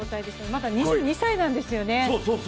まだ２２歳なんですよね。